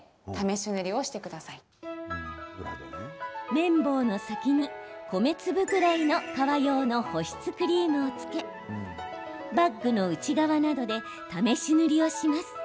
綿棒の先に米粒ぐらいの革用の保湿クリームをつけバッグの内側などで試し塗りをします。